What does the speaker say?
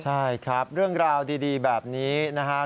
ใช่ครับเรื่องราวดีแบบนี้นะครับ